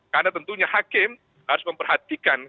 karena tentunya hakim harus memperhatikan